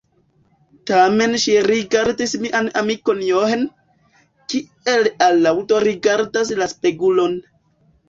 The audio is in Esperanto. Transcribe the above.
Tamen ŝi rigardis mian amikon John, kiel alaŭdo rigardas la spegulon.